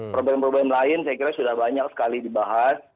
problem problem lain saya kira sudah banyak sekali dibahas